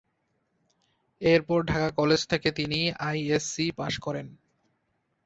এর পর ঢাকা কলেজ থেকে তিনি আইএসসি পাশ করেন।